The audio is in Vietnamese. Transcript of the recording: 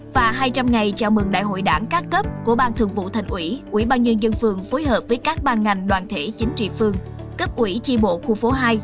và hai trăm linh ngày chào mừng đại hội đảng các cấp của ban thường vụ thành ủy ủy ban nhân dân phường phối hợp với các ban ngành đoàn thể chính trị phương cấp ủy chi bộ khu phố hai